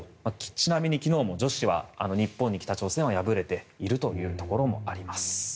ちなみに昨日は、女子日本に北朝鮮は敗れているというところもあります。